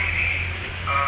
ada beberapa pertemuan dan saya